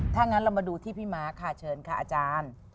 ถ้างั้นเรามาดูที่พี่ม้าค่ะเชิญค่ะอาจารย์